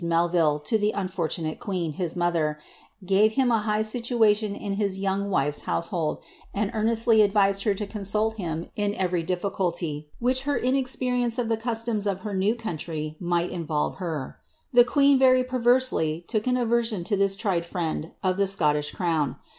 MeUiiif to the unfortunate queen, his mother, gave him a high situation in l.i young wife's household, and earnesllv advised her to consult hira la every diliiculty, which her inexperience of the customs of her nea' 1 Lm^ii ion, qiioied by Pen; ANNE OP DBIIMARK. 261 coDiitry might involve her. The queen, very perversely, took an aver sion to this tried friend of the Scottish crown.